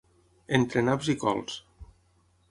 Entre naps i cols.